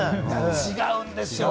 違うんですよ。